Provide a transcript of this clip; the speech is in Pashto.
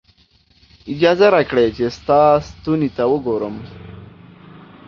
اجازه راکړئ چې ستا ستوني ته وګورم.